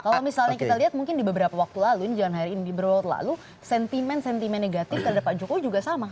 kalau misalnya kita lihat mungkin di beberapa waktu lalu ini jangan hari ini di beberapa waktu lalu sentimen sentimen negatif terhadap pak jokowi juga sama